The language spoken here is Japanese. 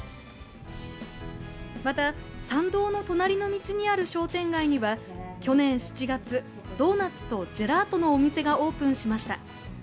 また、参道の隣の道にある商店街には去年７月、ドーナツとジェラートのお店がオープンしました。